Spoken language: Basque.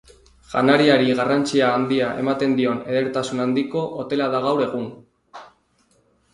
Janariari garrantzia handia ematen dion edertasun handiko hotela da gaur egun.